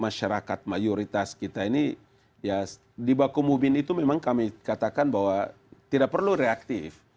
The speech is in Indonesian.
masyarakat mayoritas kita ini ya di bakomubin itu memang kami katakan bahwa tidak perlu reaktif